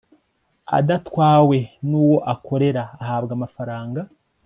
adatwawe n'uwo akorera ahabwa amafaranga